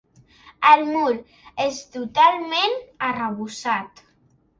El mur és totalment arrebossat.